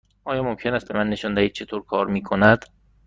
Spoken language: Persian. آیا ممکن است به من نشان دهید چطور کار می کند؟